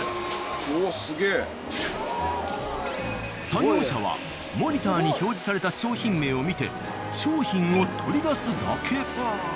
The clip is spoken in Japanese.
作業者はモニターに表示された商品名を見て商品を取り出すだけ。